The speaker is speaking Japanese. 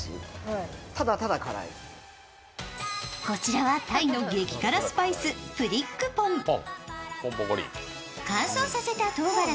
こちらはタイの激辛スパイス、プリックポン。